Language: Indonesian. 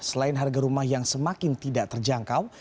selain harga rumah yang semakin tidak terjangkau